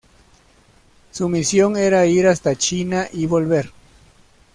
Su misión era ir hasta China y volver.